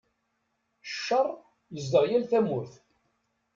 Cceṛ yezdeɣ yal tamurt.